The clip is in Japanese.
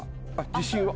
自信は？